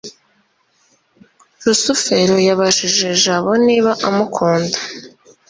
rusufero yabajije jabo niba amukunda